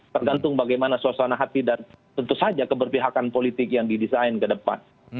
tergantung bagaimana suasana hati dan tentu saja keberpihakan politik yang didesain ke depan